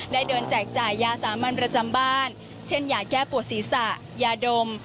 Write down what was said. เดินแจกจ่ายยาสามัญประจำบ้านเช่นยาแก้ปวดศีรษะยาดม